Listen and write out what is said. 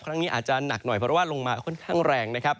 ครั้งนี้อาจจะหนักหน่อยเพราะว่าลงมาค่อนข้างแรงนะครับ